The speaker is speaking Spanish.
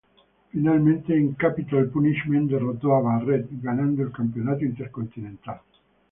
Finalmente, en "Capitol Punishment" derrotó a Barrett, ganando el Campeonato Intercontinental.